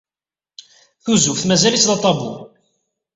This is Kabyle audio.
Tuzuft mazal-itt d aṭabu.